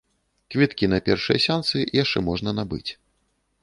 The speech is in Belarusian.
Квіткі на першыя сеансы яшчэ можна набыць.